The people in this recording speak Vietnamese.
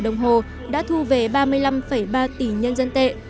đồng hồ đã thu về ba mươi năm ba tỷ nhân dân tệ